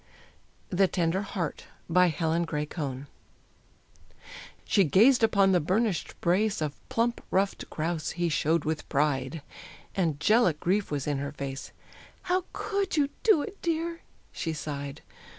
THE TENDER HEART. BY HELEN GRAY CONE. She gazed upon the burnished brace Of plump, ruffed grouse he showed with pride, Angelic grief was in her face: "How could you do it, dear?" she sighed.